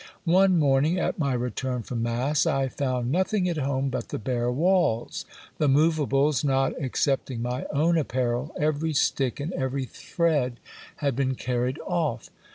One morning, at my return from mass, I found nothing at home but the bare walls ; the moveables, not excepting my own apparel, every stick and every thread, had been carried off.